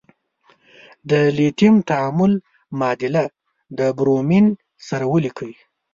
د لیتیم تعامل معادله له برومین سره ولیکئ.